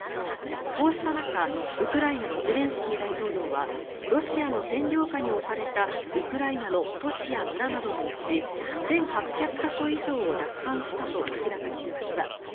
こうした中、ウクライナのゼレンスキー大統領はロシアの占領下に置かれたウクライナの都市や村などのうち１８００か所以上を奪還したと明らかにしました。